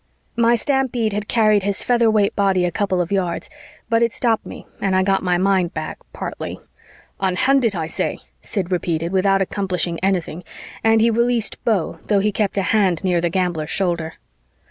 My stampede had carried his featherweight body a couple of yards, but it stopped me and I got my mind back, partly. "Unhand it, I say!" Sid repeated without accomplishing anything, and he released Beau, though he kept a hand near the gambler's shoulder.